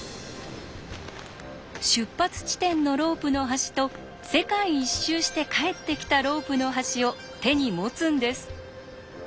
出発地点のロープの端と世界一周して帰ってきたロープの端を手に持つんです。